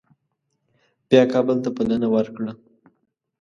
بیا کابل ته بلنه ورکړه.